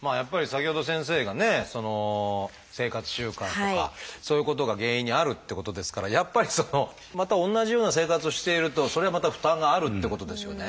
先ほど先生がね生活習慣とかそういうことが原因にあるってことですからやっぱりまた同じような生活をしているとそれはまた負担があるってことですよね。